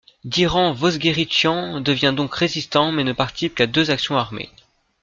Diran Vosguéritchian devient donc résistant mais ne participe qu’à deux actions armées.